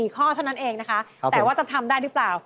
๔ข้อเท่านั้นเองนะคะแต่ว่าจะทำได้หรือเปล่า